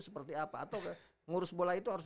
seperti apa atau ngurus bola itu harus